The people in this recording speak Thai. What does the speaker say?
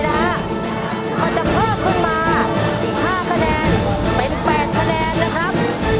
อาจจะเพิ่มขึ้นมาอีก๕คะแนนเป็น๘คะแนนนะครับ